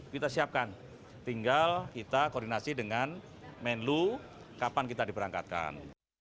kita siapkan tinggal kita koordinasi dengan menlu kapan kita diberangkatkan